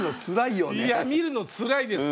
いや見るのつらいです